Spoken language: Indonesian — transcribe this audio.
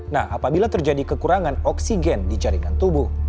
nah apabila terjadi kekurangan oksigen di jaringan tubuh